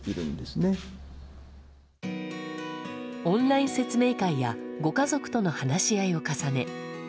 オンライン説明会やご家族との話し合いを重ね